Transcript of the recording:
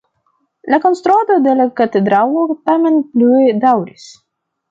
La konstruado de la katedralo tamen plue daŭris.